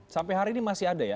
sampai hari ini masih ada ya